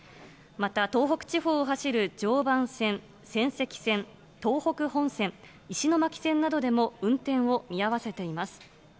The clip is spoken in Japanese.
また、東北地方を走る常磐線、仙石線、東北本線、石巻線などでも運転を見合わせています。